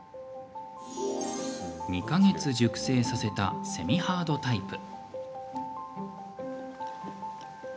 ２か月熟成させたセミハードタイプ。